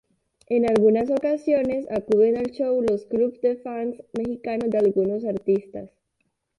En algunas ocasiones acuden al show los clubs de fans mexicanos de algunos artistas.